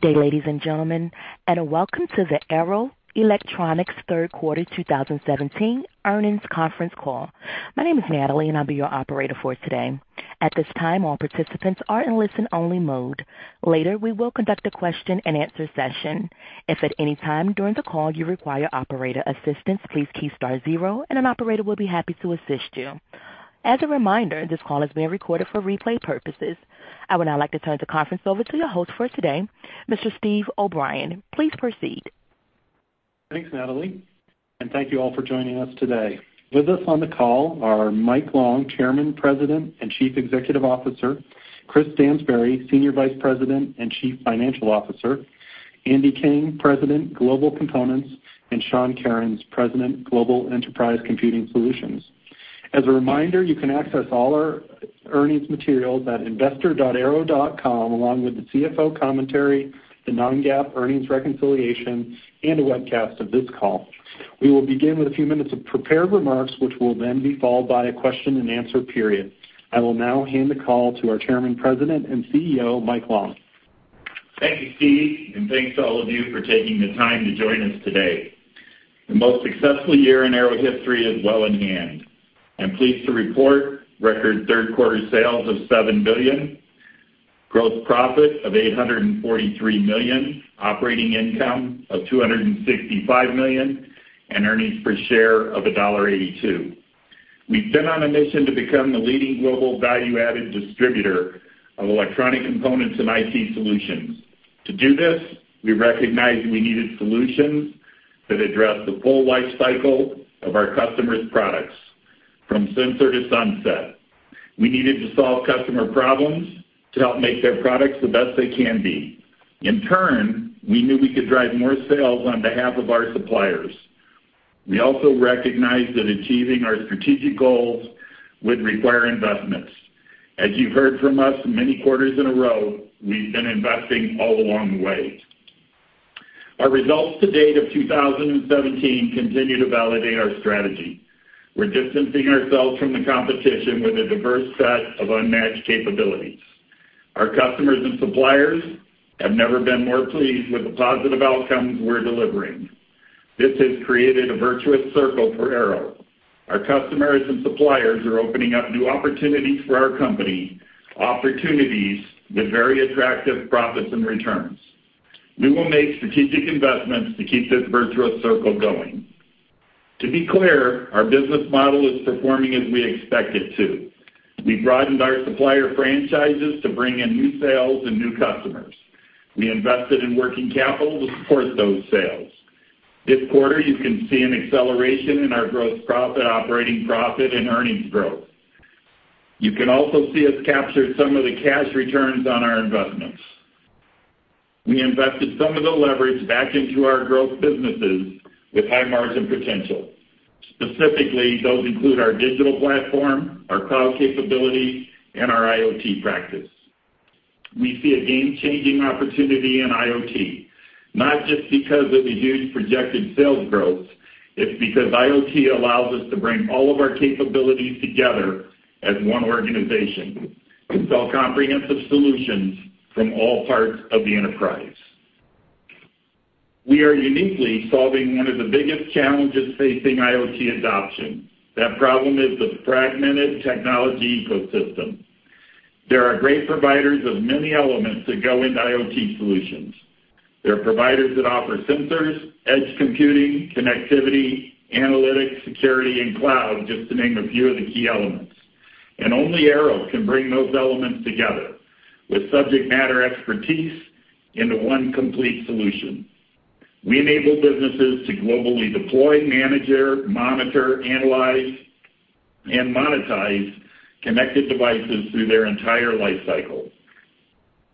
Good day, ladies and gentlemen, and welcome to the Arrow Electronics Third Quarter 2017 Earnings Conference Call. My name is Natalie, and I'll be your operator for today. At this time, all participants are in listen-only mode. Later, we will conduct a question-and-answer session. If at any time during the call you require operator assistance, please key star zero, and an operator will be happy to assist you. As a reminder, this call is being recorded for replay purposes. I would now like to turn the conference over to your host for today, Mr. Steve O'Brien. Please proceed. Thanks, Natalie, and thank you all for joining us today. With us on the call are Mike Long, Chairman, President, and Chief Executive Officer; Chris Stansbury, Senior Vice President and Chief Financial Officer; Andy King, President, Global Components; and Sean Kerins, President, Global Enterprise Computing Solutions. As a reminder, you can access all our earnings materials at investor.arrow.com, along with the CFO commentary, the non-GAAP earnings reconciliation, and a webcast of this call. We will begin with a few minutes of prepared remarks, which will then be followed by a question-and-answer period. I will now hand the call to our Chairman, President, and CEO, Mike Long. Thank you, Steve, and thanks to all of you for taking the time to join us today. The most successful year in Arrow history is well in hand. I'm pleased to report record third quarter sales of $7 billion, gross profit of $843 million, operating income of $265 million, and earnings per share of $1.82. We've been on a mission to become the leading global value-added distributor of electronic components and IT solutions. To do this, we recognized we needed solutions that address the full life cycle of our customers' products, from Sensor-to-Sunset. We needed to solve customer problems to help make their products the best they can be. In turn, we knew we could drive more sales on behalf of our suppliers. We also recognized that achieving our strategic goals would require investments. As you've heard from us many quarters in a row, we've been investing all along the way. Our results to date of 2017 continue to validate our strategy. We're distancing ourselves from the competition with a diverse set of unmatched capabilities. Our customers and suppliers have never been more pleased with the positive outcomes we're delivering. This has created a virtuous circle for Arrow. Our customers and suppliers are opening up new opportunities for our company, opportunities with very attractive profits and returns. We will make strategic investments to keep this virtuous circle going. To be clear, our business model is performing as we expect it to. We broadened our supplier franchises to bring in new sales and new customers. We invested in working capital to support those sales. This quarter, you can see an acceleration in our growth, profit, operating profit, and earnings growth. You can also see us capture some of the cash returns on our investments. We invested some of the leverage back into our growth businesses with high margin potential. Specifically, those include our digital platform, our cloud capabilities, and our IoT practice. We see a game-changing opportunity in IoT, not just because of the huge projected sales growth, it's because IoT allows us to bring all of our capabilities together as one organization, to sell comprehensive solutions from all parts of the enterprise. We are uniquely solving one of the biggest challenges facing IoT adoption. That problem is the fragmented technology ecosystem. There are great providers of many elements that go into IoT solutions. There are providers that offer sensors, edge computing, connectivity, analytics, security, and cloud, just to name a few of the key elements. Only Arrow can bring those elements together with subject matter expertise into one complete solution. We enable businesses to globally deploy, manage, monitor, analyze, and monetize connected devices through their entire life cycle.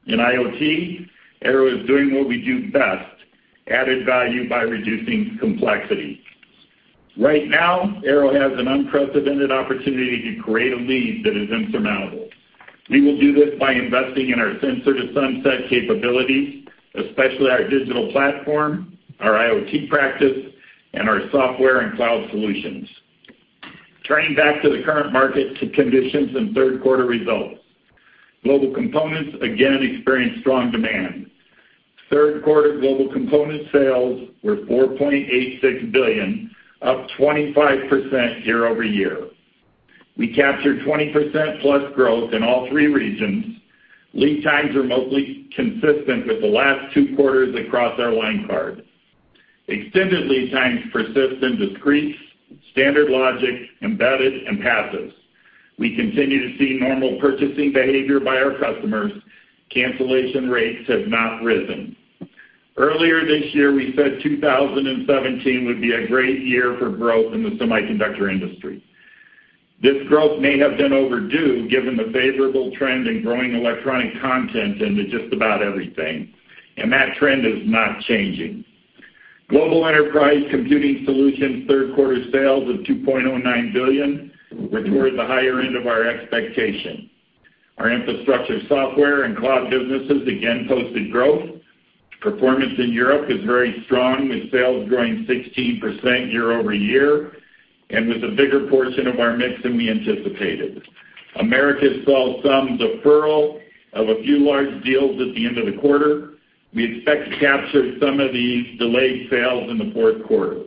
In IoT, Arrow is doing what we do best, added value by reducing complexity. Right now, Arrow has an unprecedented opportunity to create a lead that is insurmountable. We will do this by investing in our Sensor-to-Sunset capabilities, especially our digital platform, our IoT practice, and our software and cloud solutions. Turning back to the current market conditions and third quarter results, Global Components again experienced strong demand. Third quarter Global Components sales were $4.86 billion, up 25% year-over-year. We captured 20%+ growth in all three regions. Lead times are mostly consistent with the last two quarters across our line card. Extended lead times persist in discrete, standard logic, embedded, and passives. We continue to see normal purchasing behavior by our customers. Cancellation rates have not risen. Earlier this year, we said 2017 would be a great year for growth in the semiconductor industry. This growth may have been overdue, given the favorable trend in growing electronic content into just about everything, and that trend is not changing. Global Enterprise Computing Solutions' third quarter sales of $2.09 billion were towards the higher end of our expectation. Our infrastructure, software, and cloud businesses again posted growth... Performance in Europe is very strong, with sales growing 16% year-over-year and with a bigger portion of our mix than we anticipated. Americas saw some deferral of a few large deals at the end of the quarter. We expect to capture some of these delayed sales in the fourth quarter.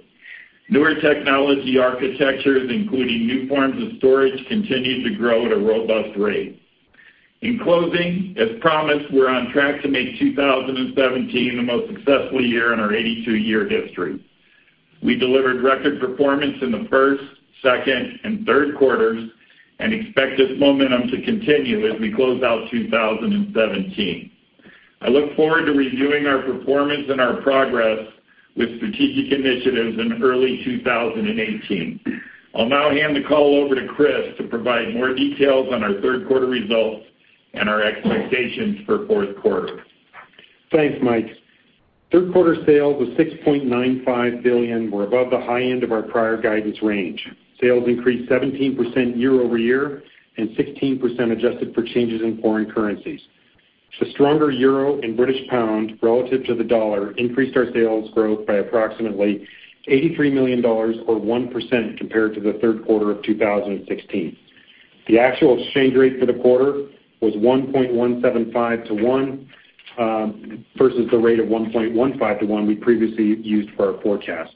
Newer technology architectures, including new forms of storage, continued to grow at a robust rate. In closing, as promised, we're on track to make 2017 the most successful year in our 82-year history. We delivered record performance in the first, second, and third quarters and expect this momentum to continue as we close out 2017. I look forward to reviewing our performance and our progress with strategic initiatives in early 2018. I'll now hand the call over to Chris to provide more details on our third quarter results and our expectations for fourth quarter. Thanks, Mike. Third quarter sales of $6.95 billion were above the high end of our prior guidance range. Sales increased 17% year-over-year and 16% adjusted for changes in foreign currencies. The stronger euro and British pound relative to the dollar increased our sales growth by approximately $83 million or 1% compared to the third quarter of 2016. The actual exchange rate for the quarter was 1.175 to 1 versus the rate of 1.15 to 1 we previously used for our forecast.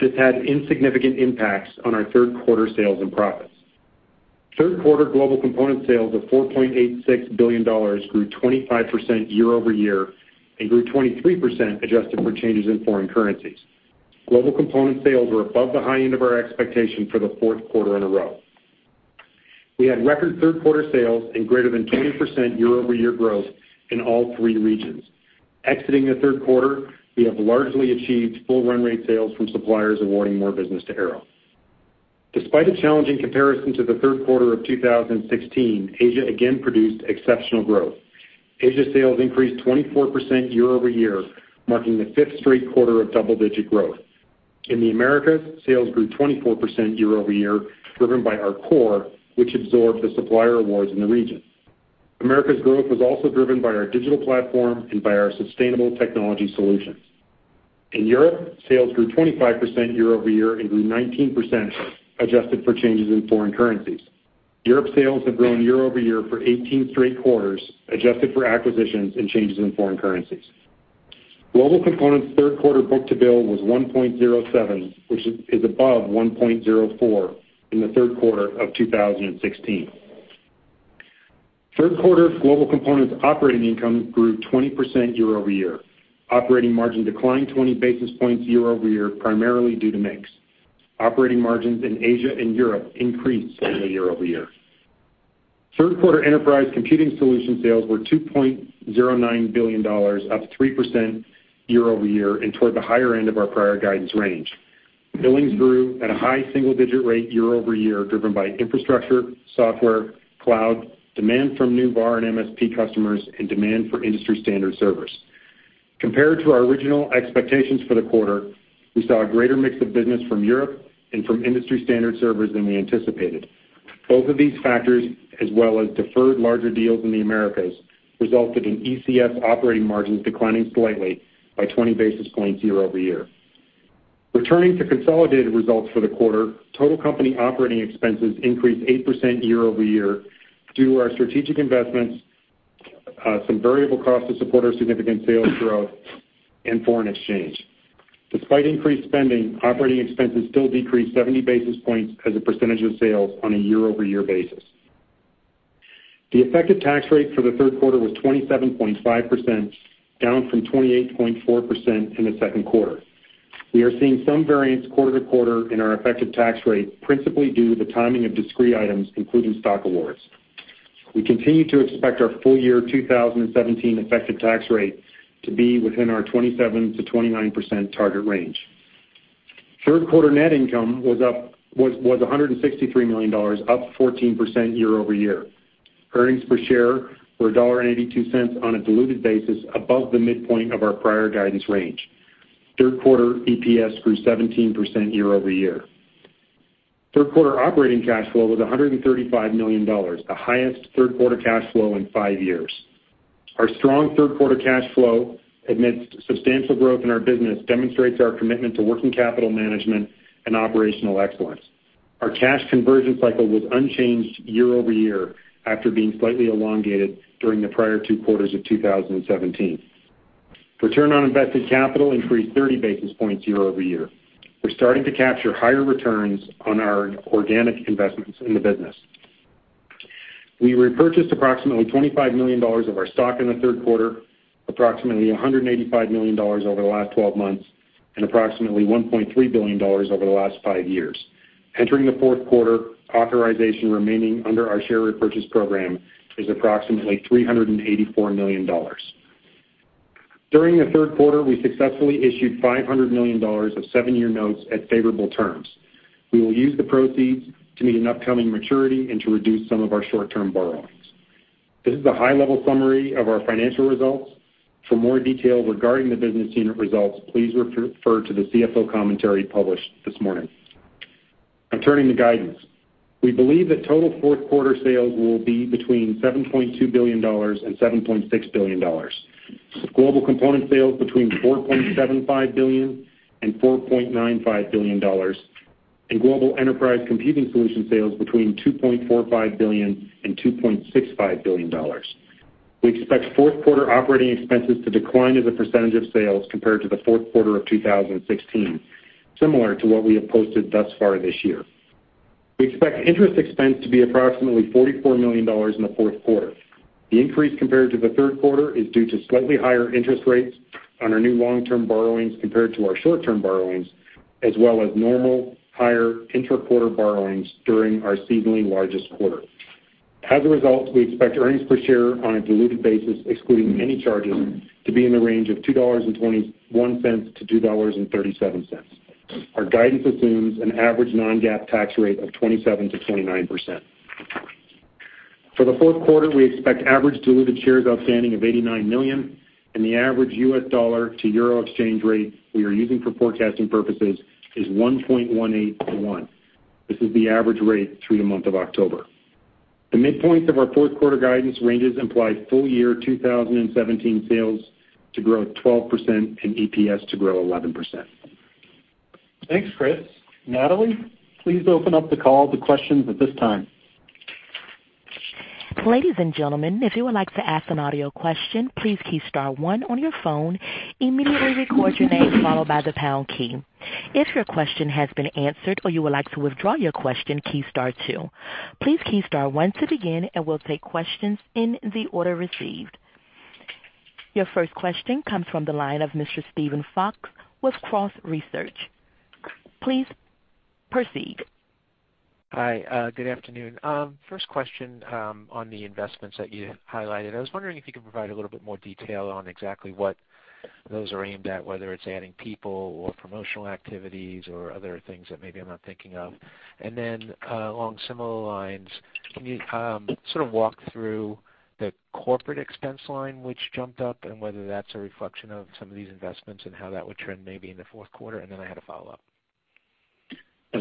This had insignificant impacts on our third quarter sales and profits. Third quarter Global Components sales of $4.86 billion grew 25% year-over-year and grew 23% adjusted for changes in foreign currencies. Global Components sales were above the high end of our expectation for the fourth quarter in a row. We had record third quarter sales and greater than 20% year-over-year growth in all three regions. Exiting the third quarter, we have largely achieved full run rate sales from suppliers awarding more business to Arrow. Despite a challenging comparison to the third quarter of 2016, Asia again produced exceptional growth. Asia sales increased 24% year-over-year, marking the 5th straight quarter of double-digit growth. In the Americas, sales grew 24% year-over-year, driven by our core, which absorbed the supplier awards in the region. Americas' growth was also driven by our digital platform and by our Sustainable Technology Solutions. In Europe, sales grew 25% year-over-year and grew 19% adjusted for changes in foreign currencies. Europe sales have grown year-over-year for 18 straight quarters, adjusted for acquisitions and changes in foreign currencies. Global Components third quarter book-to-bill was 1.07, which is above 1.04 in the third quarter of 2016. Third quarter Global Components operating income grew 20% year-over-year. Operating margin declined 20 basis points year-over-year, primarily due to mix. Operating margins in Asia and Europe increased year-over-year. Third quarter Enterprise Computing Solutions sales were $2.09 billion, up 3% year-over-year and toward the higher end of our prior guidance range. Billings grew at a high single-digit rate year-over-year, driven by infrastructure, software, cloud, demand from new VAR and MSP customers, and demand for industry standard servers. Compared to our original expectations for the quarter, we saw a greater mix of business from Europe and from industry standard servers than we anticipated. Both of these factors, as well as deferred larger deals in the Americas, resulted in ECS operating margins declining slightly by 20 basis points year-over-year. Returning to consolidated results for the quarter, total company operating expenses increased 8% year-over-year due to our strategic investments, some variable costs to support our significant sales growth and foreign exchange. Despite increased spending, operating expenses still decreased 70 basis points as a percentage of sales on a year-over-year basis. The effective tax rate for the third quarter was 27.5%, down from 28.4% in the second quarter. We are seeing some variance quarter to quarter in our effective tax rate, principally due to the timing of discrete items, including stock awards. We continue to expect our full year 2017 effective tax rate to be within our 27%-29% target range. Third quarter net income was up 14% year-over-year. Earnings per share were $1.82 on a diluted basis, above the midpoint of our prior guidance range. Third quarter EPS grew 17% year-over-year. Third quarter operating cash flow was $135 million, the highest third quarter cash flow in 5 years. Our strong third quarter cash flow, amidst substantial growth in our business, demonstrates our commitment to working capital management and operational excellence. Our cash conversion cycle was unchanged year-over-year after being slightly elongated during the prior 2 quarters of 2017. Return on invested capital increased 30 basis points year-over-year. We're starting to capture higher returns on our organic investments in the business. We repurchased approximately $25 million of our stock in the third quarter, approximately $185 million over the last 12 months, and approximately $1.3 billion over the last 5 years. Entering the fourth quarter, authorization remaining under our share repurchase program is approximately $384 million. During the third quarter, we successfully issued $500 million of 7-year notes at favorable terms. We will use the proceeds to meet an upcoming maturity and to reduce some of our short-term borrowings. This is a high-level summary of our financial results. For more details regarding the business unit results, please refer to the CFO commentary published this morning. I'm turning to guidance. We believe that total fourth quarter sales will be between $7.2 billion and $7.6 billion. Global Components sales between $4.75 billion and $4.95 billion, and Global Enterprise Computing Solutions sales between $2.45 billion and $2.65 billion. We expect fourth quarter operating expenses to decline as a percentage of sales compared to the fourth quarter of 2016, similar to what we have posted thus far this year. We expect interest expense to be approximately $44 million in the fourth quarter. The increase compared to the third quarter is due to slightly higher interest rates on our new long-term borrowings compared to our short-term borrowings, as well as normal higher intra-quarter borrowings during our seasonally largest quarter. As a result, we expect earnings per share on a diluted basis, excluding any charges, to be in the range of $2.21-$2.37. Our guidance assumes an average non-GAAP tax rate of 27%-29%. For the fourth quarter, we expect average diluted shares outstanding of 89 million, and the average U.S. dollar to euro exchange rate we are using for forecasting purposes is 1.18 to 1. This is the average rate through the month of October. The midpoints of our fourth quarter guidance ranges imply full year 2017 sales to grow 12% and EPS to grow 11%. Thanks, Chris. Natalie, please open up the call to questions at this time. Ladies and gentlemen, if you would like to ask an audio question, please key star one on your phone. Immediately record your name, followed by the pound key. If your question has been answered or you would like to withdraw your question, key star two. Please key star one to begin, and we'll take questions in the order received. Your first question comes from the line of Mr. Steven Fox with Cross Research. Please proceed. Hi, good afternoon. First question, on the investments that you highlighted. I was wondering if you could provide a little bit more detail on exactly what those are aimed at, whether it's adding people or promotional activities, or other things that maybe I'm not thinking of. And then, along similar lines, can you, sort of walk through the corporate expense line which jumped up, and whether that's a reflection of some of these investments, and how that would trend maybe in the fourth quarter? And then I had a follow-up. Yeah,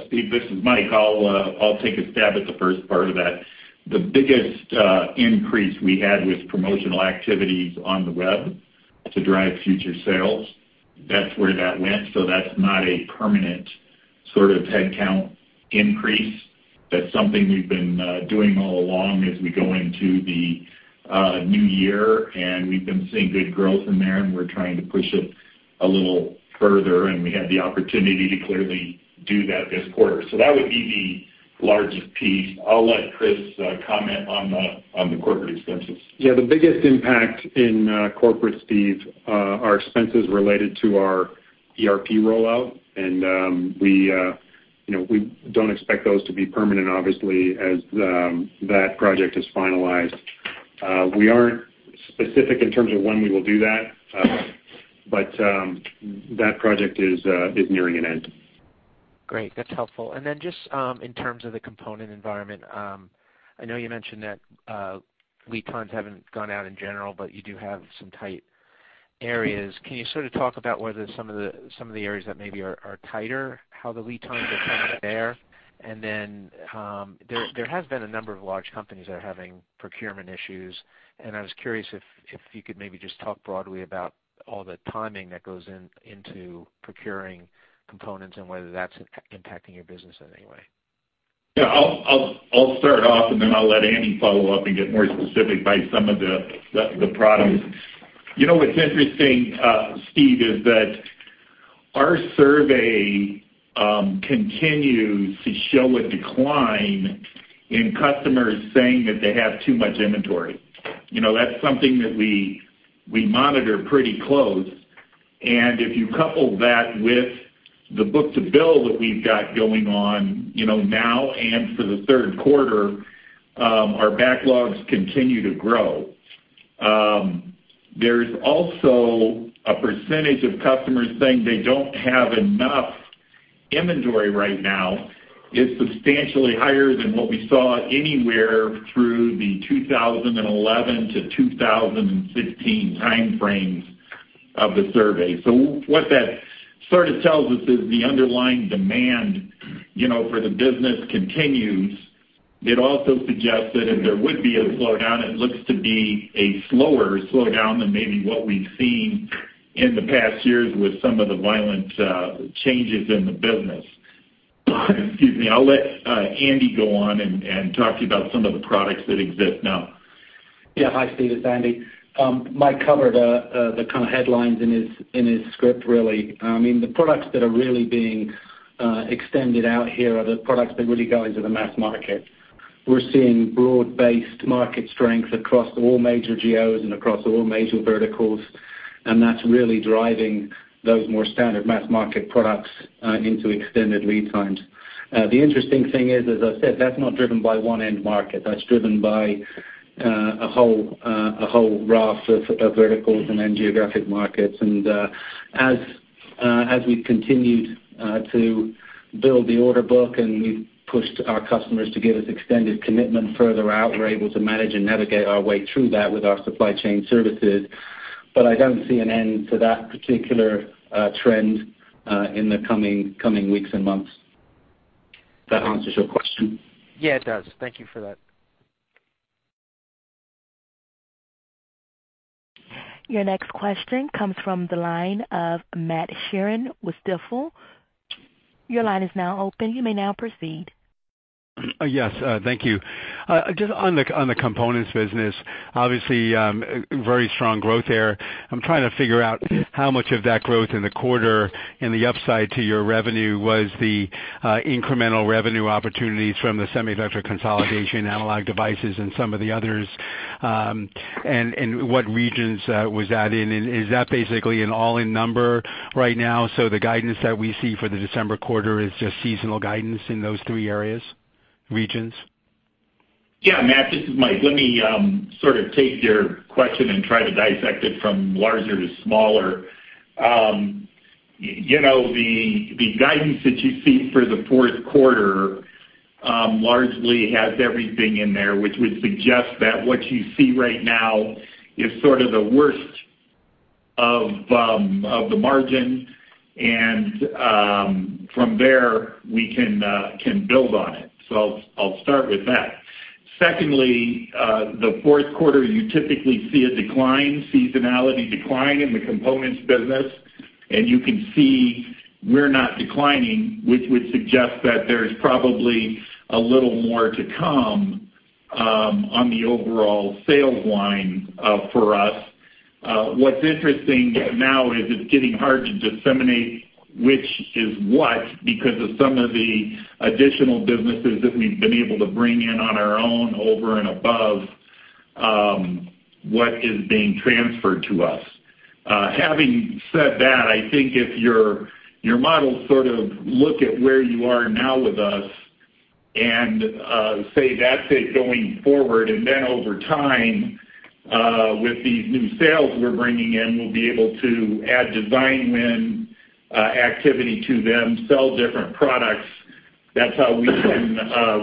Steve, this is Mike. I'll take a stab at the first part of that. The biggest increase we had was promotional activities on the web to drive future sales. That's where that went, so that's not a permanent sort of headcount increase. That's something we've been doing all along as we go into the new year, and we've been seeing good growth in there, and we're trying to push it a little further, and we had the opportunity to clearly do that this quarter. So that would be the largest piece. I'll let Chris comment on the corporate expenses. Yeah, the biggest impact in corporate, Steve, are expenses related to our ERP rollout, and we, you know, we don't expect those to be permanent, obviously, as that project is finalized. We aren't specific in terms of when we will do that, but that project is nearing an end. Great, that's helpful. And then just in terms of the component environment, I know you mentioned that lead times haven't gone out in general, but you do have some tight areas. Can you sort of talk about whether some of the areas that maybe are tighter, how the lead times are coming up there? And then there has been a number of large companies that are having procurement issues, and I was curious if you could maybe just talk broadly about all the timing that goes into procuring components and whether that's impacting your business in any way. Yeah, I'll start off, and then I'll let Andy follow up and get more specific by some of the products. You know, what's interesting, Steve, is that our survey continues to show a decline in customers saying that they have too much inventory. You know, that's something that we monitor pretty close, and if you couple that with the book-to-bill that we've got going on, you know, now and for the third quarter, our backlogs continue to grow. There's also a percentage of customers saying they don't have enough inventory right now, is substantially higher than what we saw anywhere through the 2011 to 2016 timeframes of the survey. So what that sort of tells us is the underlying demand, you know, for the business continues. It also suggests that if there would be a slowdown, it looks to be a slower slowdown than maybe what we've seen in the past years with some of the violent, changes in the business. Excuse me. I'll let, Andy go on and, and talk to you about some of the products that exist now. Yeah. Hi, Steve, it's Andy. Mike covered the kind of headlines in his script, really. I mean, the products that are really being extended out here are the products that really go into the mass market. We're seeing broad-based market strength across all major geos and across all major verticals, and that's really driving those more standard mass market products into extended lead times. The interesting thing is, as I said, that's not driven by one end market. That's driven by a whole raft of verticals and geographic markets. And as we've continued to build the order book and we've pushed our customers to give us extended commitment further out, we're able to manage and navigate our way through that with our supply chain services.... but I don't see an end to that particular trend in the coming weeks and months. That answers your question? Yeah, it does. Thank you for that. Your next question comes from the line of Matt Sheerin with Stifel. Your line is now open. You may now proceed. Yes, thank you. Just on the components business, obviously, very strong growth there. I'm trying to figure out how much of that growth in the quarter and the upside to your revenue was the incremental revenue opportunities from the semiconductor consolidation, Analog Devices and some of the others, and what regions was that in? And is that basically an all-in number right now, so the guidance that we see for the December quarter is just seasonal guidance in those three areas, regions? Yeah, Matt, this is Mike. Let me sort of take your question and try to dissect it from larger to smaller. You know, the guidance that you see for the fourth quarter largely has everything in there, which would suggest that what you see right now is sort of the worst of the margin, and from there, we can build on it. So I'll start with that. Secondly, the fourth quarter, you typically see a decline, seasonality decline in the components business, and you can see we're not declining, which would suggest that there's probably a little more to come on the overall sales line for us. What's interesting now is it's getting hard to disseminate which is what, because of some of the additional businesses that we've been able to bring in on our own over and above what is being transferred to us. Having said that, I think if your model sort of look at where you are now with us and say that's it going forward, and then over time with these new sales we're bringing in, we'll be able to add design win activity to them, sell different products. That's how we can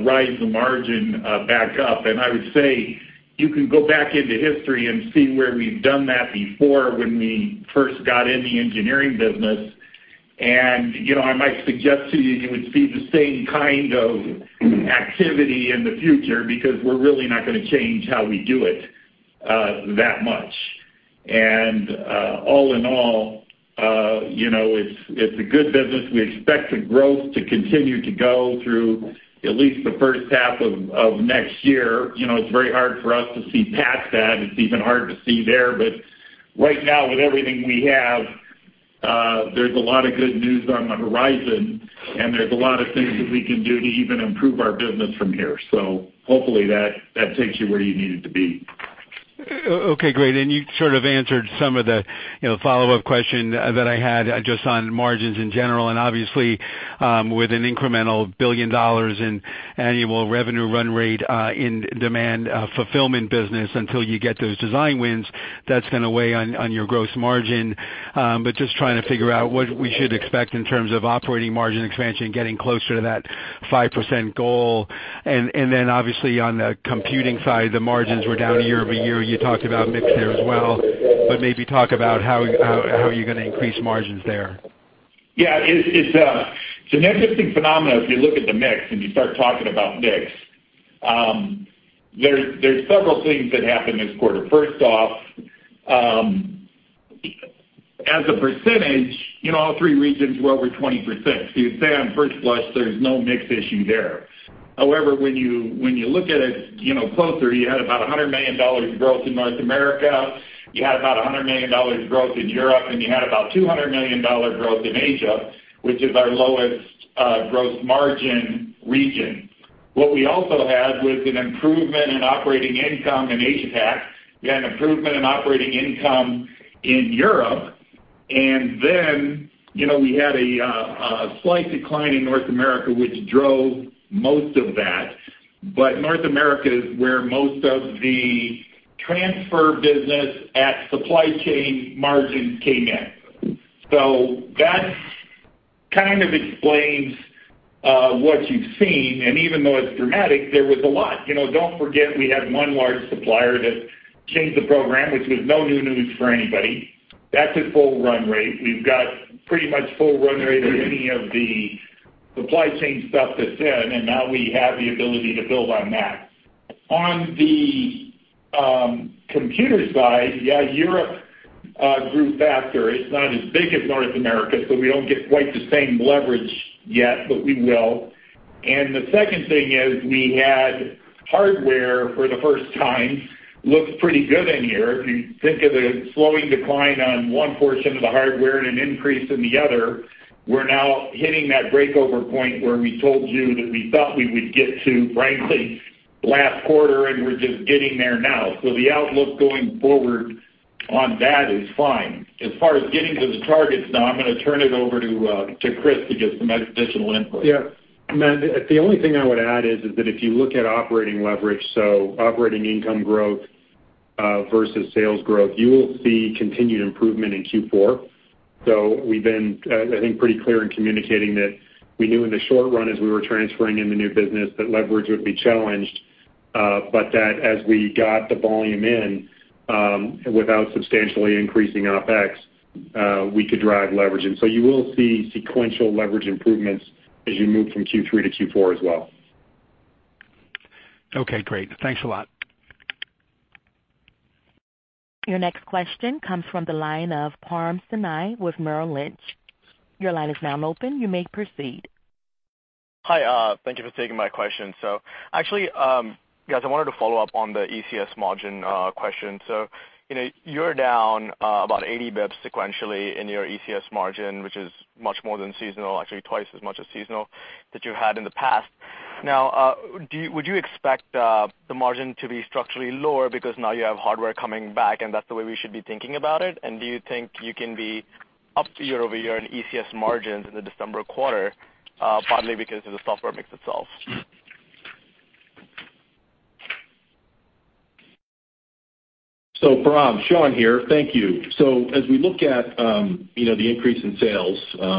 rise the margin back up. And I would say you can go back into history and see where we've done that before when we first got in the engineering business. And, you know, I might suggest to you, you would see the same kind of activity in the future because we're really not gonna change how we do it that much. And, all in all, you know, it's a good business. We expect the growth to continue to go through at least the first half of next year. You know, it's very hard for us to see past that. It's even hard to see there, but right now, with everything we have, there's a lot of good news on the horizon, and there's a lot of things that we can do to even improve our business from here. So hopefully that takes you where you needed to be. Okay, great. And you sort of answered some of the, you know, follow-up question that I had just on margins in general, and obviously, with an incremental $1 billion in annual revenue run rate in demand fulfillment business, until you get those design wins, that's gonna weigh on your gross margin. But just trying to figure out what we should expect in terms of operating margin expansion, getting closer to that 5% goal. And then obviously on the computing side, the margins were down year-over-year. You talked about mix there as well, but maybe talk about how you're gonna increase margins there. Yeah, it's an interesting phenomenon if you look at the mix and you start talking about mix. There's several things that happened this quarter. First off, as a percentage, in all three regions we're over 20%. So you'd say on first blush, there's no mix issue there. However, when you look at it, you know, closer, you had about $100 million growth in North America, you had about $100 million growth in Europe, and you had about $200 million growth in Asia, which is our lowest growth margin region. What we also had was an improvement in operating income in APAC. We had an improvement in operating income in Europe, and then, you know, we had a slight decline in North America, which drove most of that. But North America is where most of the transfer business at supply chain margins came in. So that kind of explains what you've seen, and even though it's dramatic, there was a lot. You know, don't forget, we had one large supplier that changed the program, which was no new news for anybody. That's at full run rate. We've got pretty much full run rate of any of the supply chain stuff that's in, and now we have the ability to build on that. On the computer side, yeah, Europe grew faster. It's not as big as North America, so we don't get quite the same leverage yet, but we will. And the second thing is, we had hardware for the first time, looks pretty good in here. If you think of a slowing decline on one portion of the hardware and an increase in the other, we're now hitting that breakover point where we told you that we thought we would get to, frankly, last quarter, and we're just getting there now. So the outlook going forward on that is fine. As far as getting to the targets, now I'm gonna turn it over to, to Chris to give some additional input. Yeah. Matt, the only thing I would add is that if you look at operating leverage, so operating income growth versus sales growth, you will see continued improvement in Q4. So we've been, I think, pretty clear in communicating that we knew in the short run as we were transferring in the new business, that leverage would be challenged.... but that as we got the volume in, without substantially increasing OpEx, we could drive leverage. And so you will see sequential leverage improvements as you move from Q3-Q4 as well. Okay, great. Thanks a lot. Your next question comes from the line of Param Singh with Merrill Lynch. Your line is now open. You may proceed. Hi, thank you for taking my question. So actually, guys, I wanted to follow up on the ECS margin question. So, you know, you're down about 80 basis points sequentially in your ECS margin, which is much more than seasonal, actually twice as much as seasonal that you had in the past. Now, do you—would you expect the margin to be structurally lower because now you have hardware coming back, and that's the way we should be thinking about it? And do you think you can be up year-over-year in ECS margins in the December quarter, partly because of the software mix itself? So Param, Sean here. Thank you. So as we look at, you know, the increase in sales,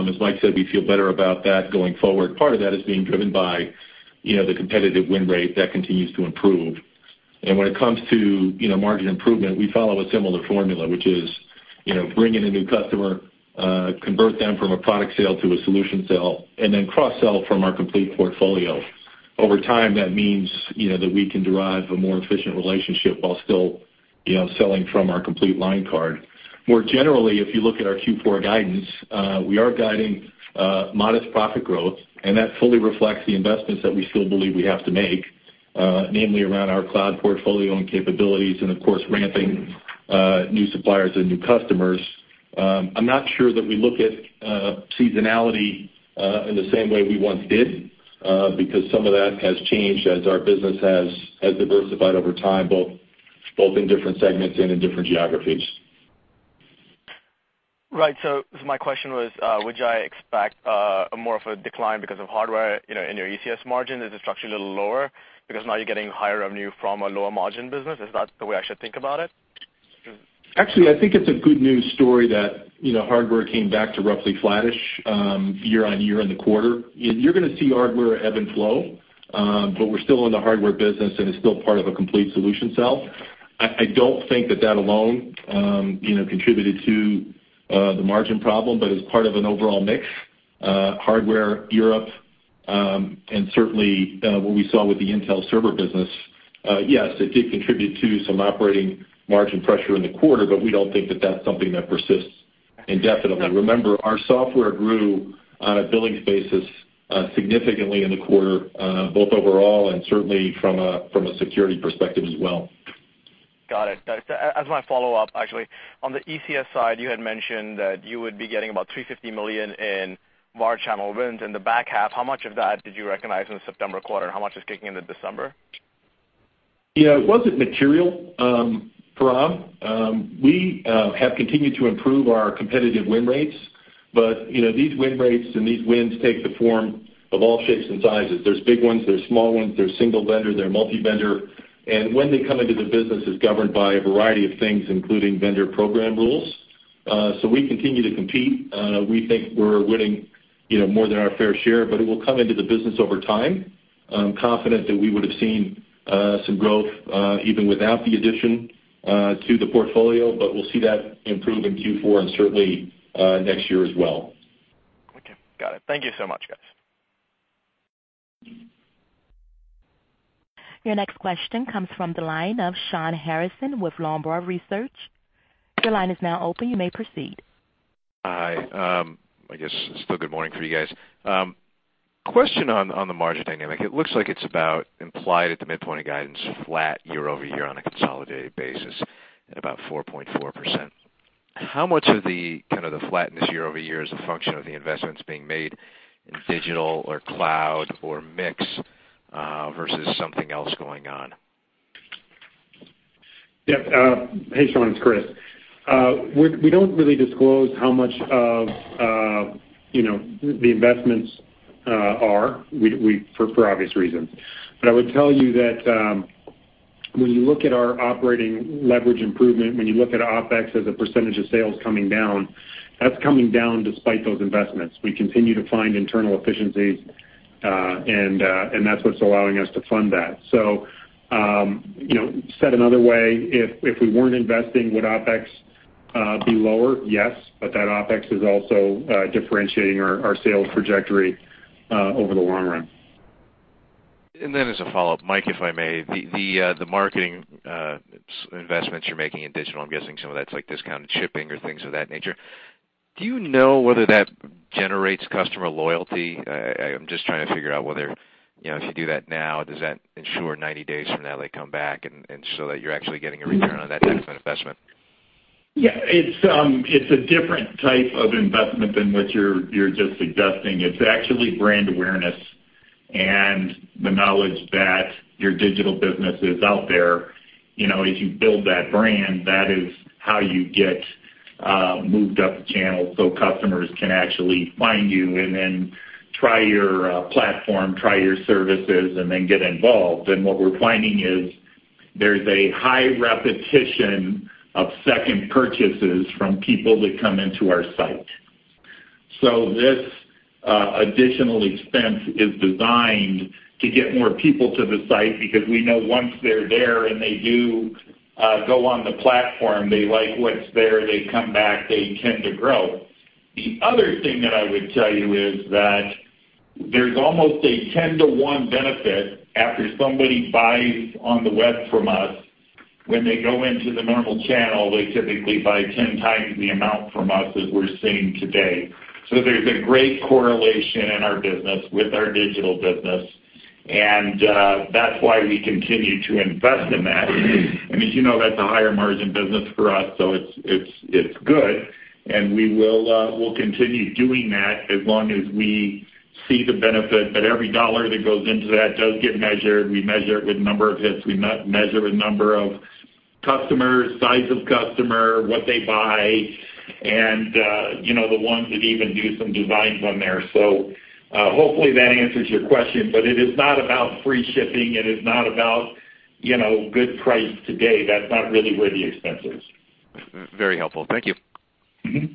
as Mike said, we feel better about that going forward. Part of that is being driven by, you know, the competitive win rate that continues to improve. And when it comes to, you know, margin improvement, we follow a similar formula, which is, you know, bring in a new customer, convert them from a product sale to a solution sale, and then cross-sell from our complete portfolio. Over time, that means, you know, that we can derive a more efficient relationship while still, you know, selling from our complete line card. More generally, if you look at our Q4 guidance, we are guiding modest profit growth, and that fully reflects the investments that we still believe we have to make, namely around our cloud portfolio and capabilities and of course, ramping new suppliers and new customers. I'm not sure that we look at seasonality in the same way we once did, because some of that has changed as our business has diversified over time, both in different segments and in different geographies. Right. So my question was, would I expect more of a decline because of hardware, you know, in your ECS margin? Is it structurally a little lower because now you're getting higher revenue from a lower margin business? Is that the way I should think about it? Actually, I think it's a good news story that, you know, hardware came back to roughly flattish, year-on-year in the quarter. You're gonna see hardware ebb and flow, but we're still in the hardware business, and it's still part of a complete solution sell. I, I don't think that that alone, you know, contributed to, the margin problem, but as part of an overall mix, hardware, Europe, and certainly, what we saw with the Intel server business, yes, it did contribute to some operating margin pressure in the quarter, but we don't think that that's something that persists indefinitely. Remember, our software grew on a billings basis, significantly in the quarter, both overall and certainly from a, from a security perspective as well. Got it. So as my follow-up, actually, on the ECS side, you had mentioned that you would be getting about $350 million in large channel wins in the back half. How much of that did you recognize in the September quarter? How much is kicking into December? Yeah, it wasn't material, Param. We have continued to improve our competitive win rates, but, you know, these win rates and these wins take the form of all shapes and sizes. There's big ones, there's small ones, there's single vendor, there are multi-vendor, and when they come into the business, it's governed by a variety of things, including vendor program rules. So we continue to compete. We think we're winning, you know, more than our fair share, but it will come into the business over time. I'm confident that we would have seen some growth even without the addition to the portfolio, but we'll see that improve in Q4 and certainly next year as well. Okay, got it. Thank you so much, guys. Your next question comes from the line of Shawn Harrison with Longbow Research. Your line is now open. You may proceed. Hi. I guess it's still good morning for you guys. Question on, on the margin dynamic. It looks like it's about implied at the midpoint of guidance, flat year-over-year on a consolidated basis at about 4.4%. How much of the, kind of the flatness year-over-year is a function of the investments being made in digital or cloud or mix, versus something else going on? Yep. Hey, Shawn, it's Chris. We don't really disclose how much of, you know, the investments are. We-- for obvious reasons. But I would tell you that, when you look at our operating leverage improvement, when you look at OpEx as a percentage of sales coming down, that's coming down despite those investments. We continue to find internal efficiencies, and that's what's allowing us to fund that. So, you know, said another way, if we weren't investing, would OpEx be lower? Yes, but that OpEx is also differentiating our sales trajectory over the long run. Then as a follow-up, Mike, if I may, the marketing investments you're making in digital, I'm guessing some of that's like discounted shipping or things of that nature. Do you know whether that generates customer loyalty? I'm just trying to figure out whether, you know, if you do that now, does that ensure 90 days from now, they come back and so that you're actually getting a return on that type of investment? Yeah, it's a different type of investment than what you're just suggesting. It's actually brand awareness and the knowledge that your digital business is out there. You know, as you build that brand, that is how you get moved up the channel so customers can actually find you and then try your platform, try your services, and then get involved. And what we're finding is there's a high repetition of second purchases from people that come into our site. So this additional expense is designed to get more people to the site, because we know once they're there and they do go on the platform, they like what's there, they come back, they tend to grow. The other thing that I would tell you is that there's almost a 10-to-1 benefit after somebody buys on the web from us. When they go into the normal channel, they typically buy ten times the amount from us as we're seeing today. So there's a great correlation in our business with our digital business, and that's why we continue to invest in that. And as you know, that's a higher margin business for us, so it's good, and we'll continue doing that as long as we see the benefit, that every dollar that goes into that does get measured. We measure it with number of hits, we measure the number of customers, size of customer, what they buy, and you know, the ones that even do some designs on there. So hopefully that answers your question, but it is not about free shipping, it is not about, you know, good price today. That's not really where the expense is. Very helpful. Thank you. Mm-hmm.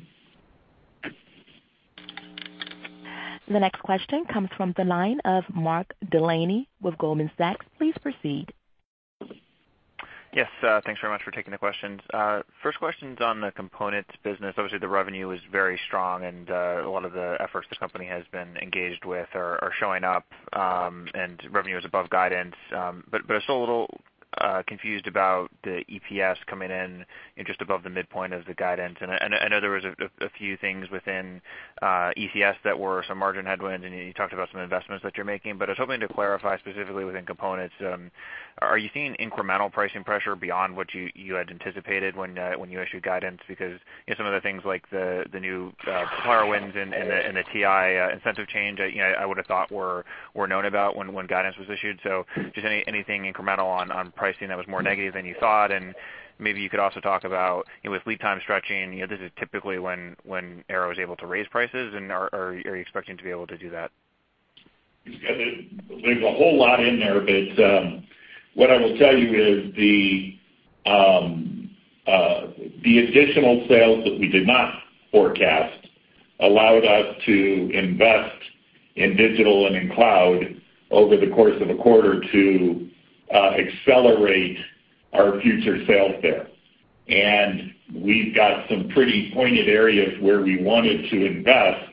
The next question comes from the line of Mark Delaney with Goldman Sachs. Please proceed. Yes, thanks very much for taking the questions. First question's on the components business. Obviously, the revenue is very strong, and a lot of the efforts the company has been engaged with are showing up, and revenue is above guidance. But I'm still a little confused about the EPS coming in just above the midpoint of the guidance. And I know there was a few things within ECS that were some margin headwinds, and you talked about some investments that you're making, but I was hoping to clarify specifically within components. Are you seeing incremental pricing pressure beyond what you had anticipated when you issued guidance? Because, you know, some of the things like the new power wins and the TI incentive change, you know, I would have thought were known about when guidance was issued. So just anything incremental on pricing that was more negative than you thought, and maybe you could also talk about, you know, with lead time stretching, you know, this is typically when Arrow is able to raise prices, and are you expecting to be able to do that? There's a whole lot in there, but what I will tell you is the additional sales that we did not forecast allowed us to invest in digital and in cloud over the course of a quarter to accelerate our future sales there. And we've got some pretty pointed areas where we wanted to invest,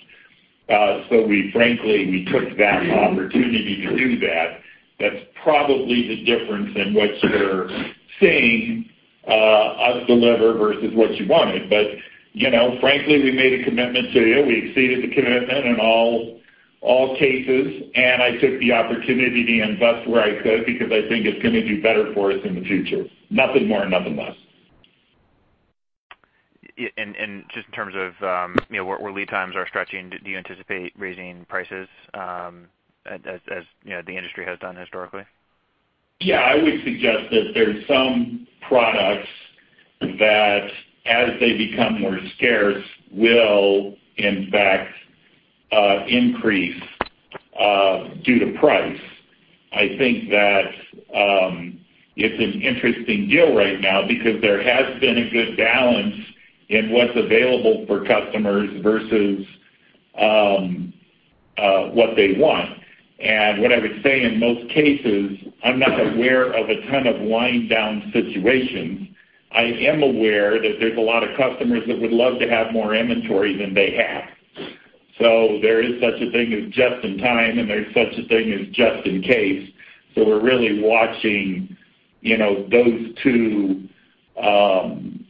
so we frankly, we took that opportunity to do that. That's probably the difference in what you're seeing us deliver versus what you wanted. But, you know, frankly, we made a commitment to you. We exceeded the commitment in all, all cases, and I took the opportunity to invest where I could because I think it's gonna do better for us in the future. Nothing more, nothing less. Yeah, and just in terms of, you know, where lead times are stretching, do you anticipate raising prices, as you know, the industry has done historically? Yeah, I would suggest that there's some products that, as they become more scarce, will in fact, increase, due to price. I think that, it's an interesting deal right now because there has been a good balance in what's available for customers versus, what they want. And what I would say in most cases, I'm not aware of a ton of wind down situations. I am aware that there's a lot of customers that would love to have more inventory than they have. So there is such a thing as just in time, and there's such a thing as just in case. So we're really watching, you know, those two,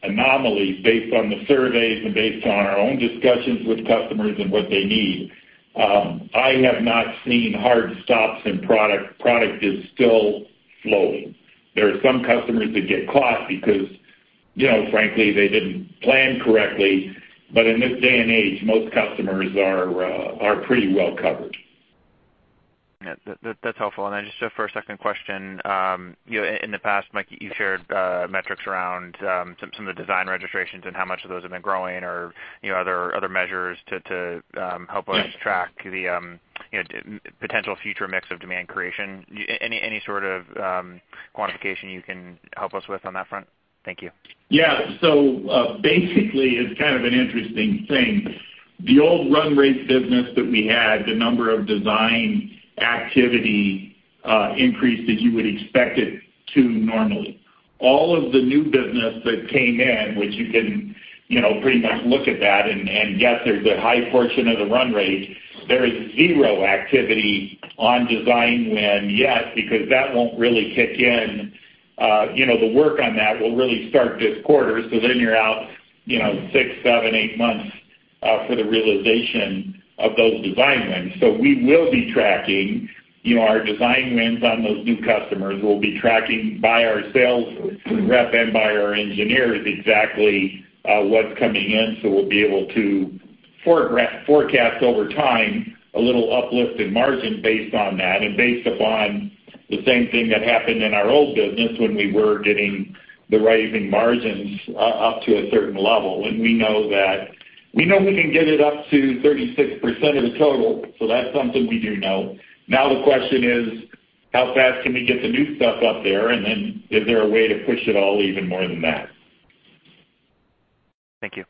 anomalies based on the surveys and based on our own discussions with customers and what they need. I have not seen hard stops in product. Product is still flowing. There are some customers that get caught because, you know, frankly, they didn't plan correctly. But in this day and age, most customers are pretty well covered. Yeah, that's helpful. And then just for a second question, you know, in the past, Mike, you shared metrics around some of the design registrations and how much of those have been growing or, you know, other measures to help us track the potential future mix of demand creation. Any sort of quantification you can help us with on that front? Thank you. Yeah. So, basically, it's kind of an interesting thing. The old run rate business that we had, the number of design activity, increased as you would expect it to normally. All of the new business that came in, which you can, you know, pretty much look at that and, and guess there's a high portion of the run rate, there is zero activity on design win yet, because that won't really kick in, you know, the work on that will really start this quarter, so then you're out, you know, six, seven, eight months, for the realization of those design wins. So we will be tracking, you know, our design wins on those new customers. We'll be tracking by our sales rep and by our engineers, exactly, what's coming in, so we'll be able to forecast over time, a little uplift in margin based on that and based upon the same thing that happened in our old business when we were getting the rising margins up to a certain level. We know we can get it up to 36% of the total, so that's something we do know. Now, the question is, how fast can we get the new stuff up there? And then, is there a way to push it all even more than that? Thank you.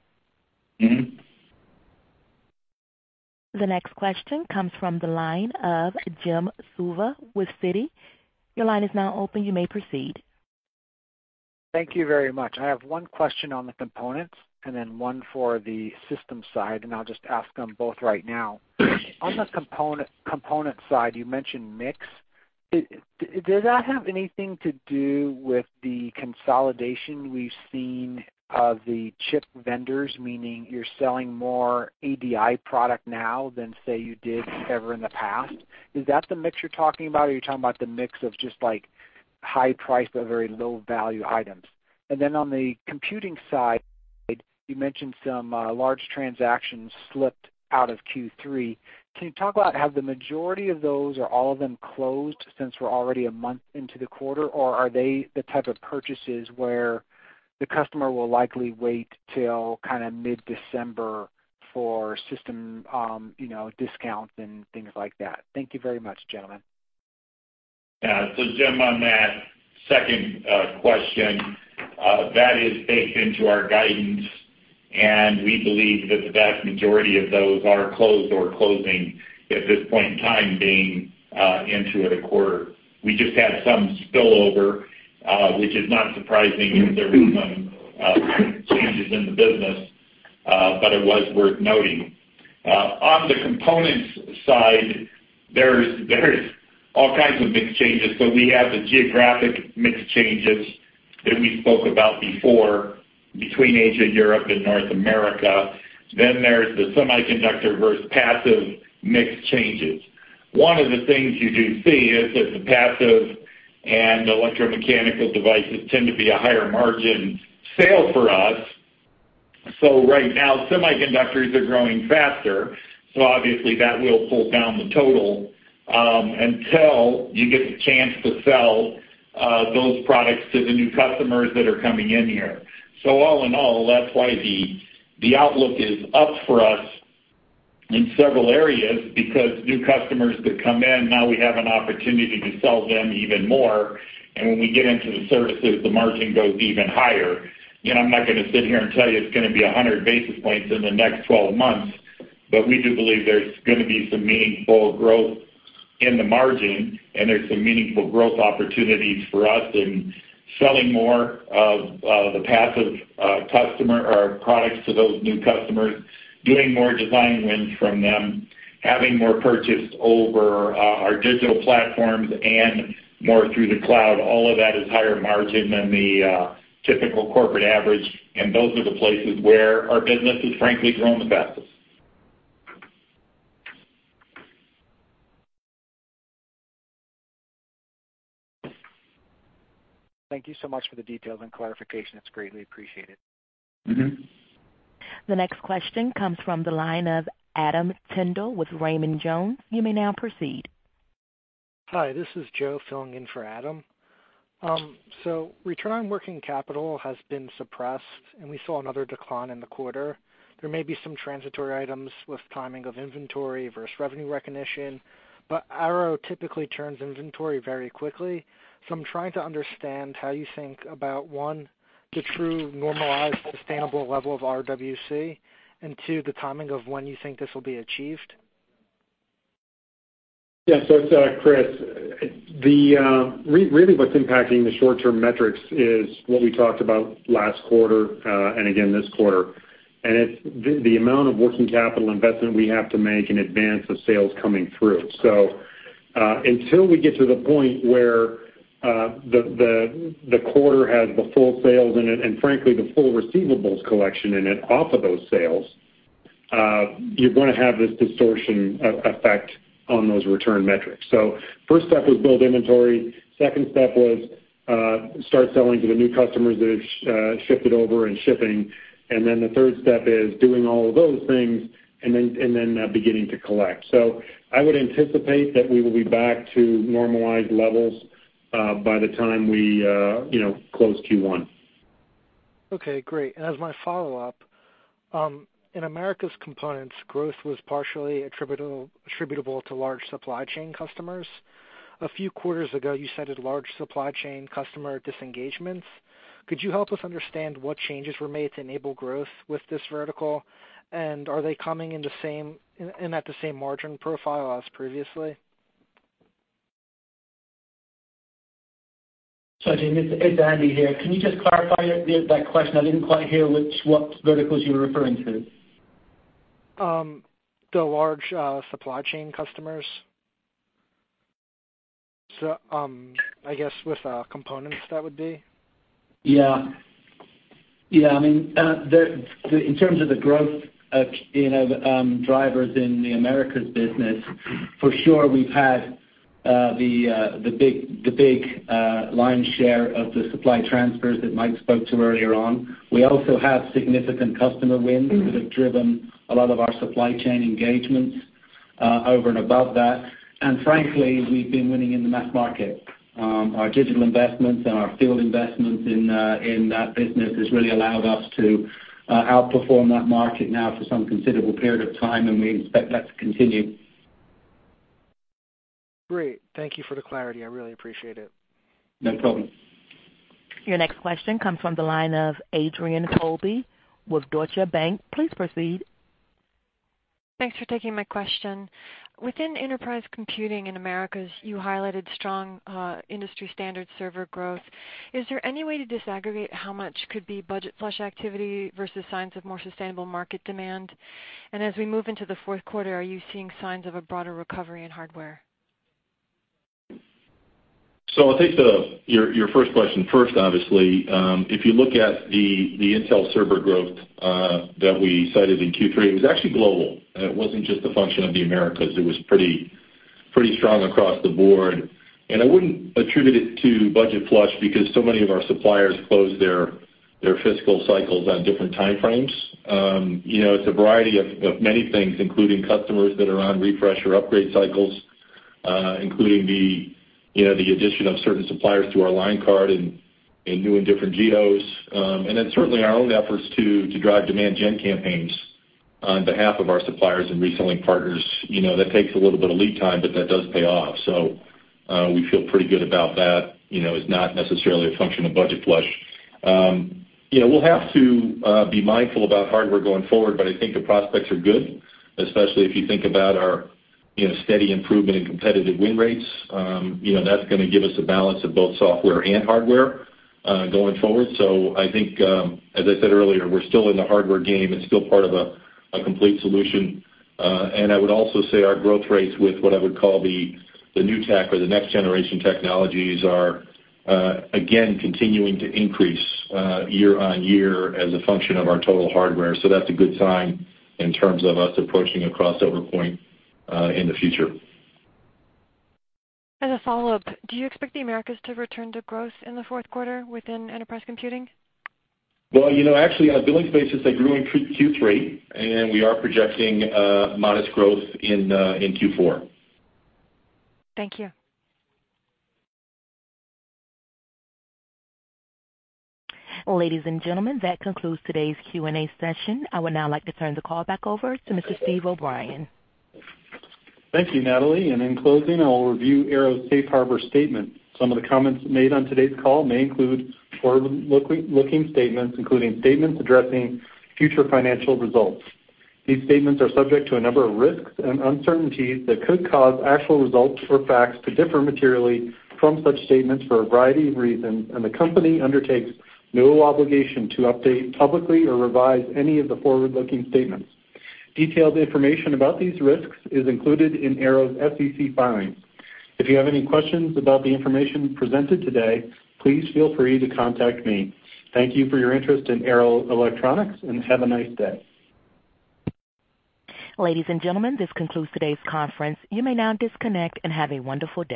Mm-hmm. The next question comes from the line of Jim Suva with Citi. Your line is now open. You may proceed. Thank you very much. I have one question on the components and then one for the system side, and I'll just ask them both right now. On the component side, you mentioned mix. Does that have anything to do with the consolidation we've seen of the chip vendors, meaning you're selling more ADI product now than, say, you did ever in the past? Is that the mix you're talking about, or are you talking about the mix of just, like, high price but very low value items? And then on the computing side, you mentioned some large transactions slipped out of Q3. Can you talk about, have the majority of those or all of them closed since we're already a month into the quarter? Or are they the type of purchases where the customer will likely wait till kind of mid-December for system, you know, discounts and things like that? Thank you very much, gentlemen. Yeah. So Jim, on that second, question, that is baked into our guidance, and we believe that the vast majority of those are closed or closing at this point in time, being, into the quarter. We just had some spillover, which is not surprising as there were some, changes in the business, but it was worth noting. On the components side, there's, there's all kinds of mix changes. So we have the geographic mix changes that we spoke about before between Asia, Europe, and North America. Then there's the semiconductor versus passive mix changes. One of the things you do see is that the passive and electromechanical devices tend to be a higher margin sale for us. Right now, semiconductors are growing faster, so obviously, that will pull down the total until you get the chance to sell those products to the new customers that are coming in here. So all in all, that's why the outlook is up for us in several areas, because new customers that come in, now we have an opportunity to sell them even more. And when we get into the services, the margin goes even higher. You know, I'm not gonna sit here and tell you it's gonna be 100 basis points in the next 12 months, but we do believe there's gonna be some meaningful growth in the margin, and there's some meaningful growth opportunities for us in selling more of the passive customer or products to those new customers, doing more design wins from them, having more purchase over our digital platforms and more through the cloud. All of that is higher margin than the typical corporate average, and those are the places where our business has frankly grown the fastest. Thank you so much for the details and clarification. It's greatly appreciated. Mm-hmm. The next question comes from the line of Adam Tindle with Raymond James. You may now proceed. Hi, this is Joe filling in for Adam. So return on working capital has been suppressed, and we saw another decline in the quarter. There may be some transitory items with timing of inventory versus revenue recognition, but Arrow typically turns inventory very quickly. So I'm trying to understand how you think about, one, the true normalized, sustainable level of RWC, and two, the timing of when you think this will be achieved. Yeah, so it's Chris. The really what's impacting the short-term metrics is what we talked about last quarter and again this quarter. It's the amount of working capital investment we have to make in advance of sales coming through. So until we get to the point where the quarter has the full sales in it, and frankly, the full receivables collection in it off of those sales, you're gonna have this distortion effect on those return metrics. So first step was build inventory. Second step was start selling to the new customers that have shifted over and shipping. Then the third step is doing all of those things and then beginning to collect. So I would anticipate that we will be back to normalized levels by the time we, you know, close Q1. Okay, great. As my follow-up, in Americas components, growth was partially attributable to large supply chain customers. A few quarters ago, you cited large supply chain customer disengagements. Could you help us understand what changes were made to enable growth with this vertical? And are they coming in at the same margin profile as previously? Sorry, Jim, it's, it's Andy here. Can you just clarify that question? I didn't quite hear what verticals you were referring to. The large supply chain customers. So, I guess, with components that would be. Yeah. Yeah, I mean, in terms of the growth of, you know, drivers in the Americas business, for sure, we've had the big lion's share of the supply transfers that Mike spoke to earlier on. We also have significant customer wins that have driven a lot of our supply chain engagements over and above that. And frankly, we've been winning in the mass market. Our digital investments and our field investments in that business has really allowed us to outperform that market now for some considerable period of time, and we expect that to continue. Great. Thank you for the clarity. I really appreciate it. No problem. Your next question comes from the line of Adrienne Colby with Deutsche Bank. Please proceed. Thanks for taking my question. Within enterprise computing in Americas, you highlighted strong industry standard server growth. Is there any way to disaggregate how much could be budget flush activity versus signs of more sustainable market demand? And as we move into the fourth quarter, are you seeing signs of a broader recovery in hardware? So I'll take your first question first, obviously. If you look at the Intel server growth that we cited in Q3, it was actually global, and it wasn't just a function of the Americas. It was pretty strong across the board, and I wouldn't attribute it to budget flush because so many of our suppliers close their fiscal cycles on different time frames. You know, it's a variety of many things, including customers that are on refresh or upgrade cycles, including the, you know, the addition of certain suppliers to our line card in new and different geos. And then certainly our own efforts to drive demand gen campaigns on behalf of our suppliers and reselling partners. You know, that takes a little bit of lead time, but that does pay off. So, we feel pretty good about that, you know, it's not necessarily a function of budget flush. You know, we'll have to be mindful about hardware going forward, but I think the prospects are good, especially if you think about our, you know, steady improvement in competitive win rates. You know, that's gonna give us a balance of both software and hardware going forward. So I think, as I said earlier, we're still in the hardware game and still part of a complete solution. And I would also say our growth rates with what I would call the new tech or the next generation technologies are again continuing to increase year-on-year as a function of our total hardware. So that's a good sign in terms of us approaching a crossover point in the future. As a follow-up, do you expect the Americas to return to growth in the fourth quarter within enterprise computing? Well, you know, actually, on a billing basis, they grew in Q3, and we are projecting modest growth in Q4. Thank you. Ladies and gentlemen, that concludes today's Q&A session. I would now like to turn the call back over to Mr. Steve O'Brien. Thank you, Natalie. In closing, I'll review Arrow's safe harbor statement. Some of the comments made on today's call may include forward-looking statements, including statements addressing future financial results. These statements are subject to a number of risks and uncertainties that could cause actual results or facts to differ materially from such statements for a variety of reasons, and the company undertakes no obligation to update publicly or revise any of the forward-looking statements. Detailed information about these risks is included in Arrow's SEC filings. If you have any questions about the information presented today, please feel free to contact me. Thank you for your interest in Arrow Electronics, and have a nice day. Ladies and gentlemen, this concludes today's conference. You may now disconnect and have a wonderful day.